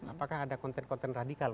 apakah ada konten konten radikal